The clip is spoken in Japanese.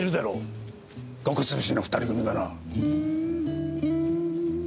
穀潰しの２人組がな。